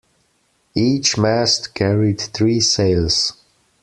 Each mast carried three sails.